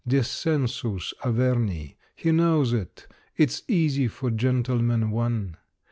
Descensus Averni he knows it; It's easy for "Gentleman, One".